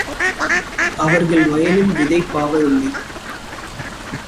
அவர்கள் வயலில் விதை பாவவில்லை.